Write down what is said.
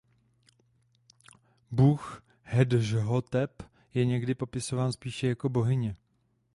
Bůh Hedžhotep je někdy popisován spíše jako bohyně.